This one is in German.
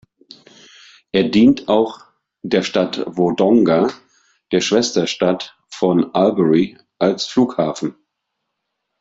Er dient auch der Stadt Wodonga, der Schwesterstadt von Albury, als Flughafen.